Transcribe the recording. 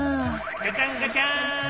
ガチャンガチャン！